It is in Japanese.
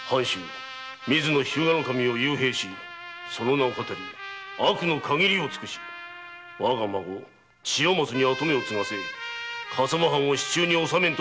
守を幽閉しその名を騙り悪の限りを尽くし我が孫・千代松に跡目を継がせ笠間藩を手中におさめんとした所業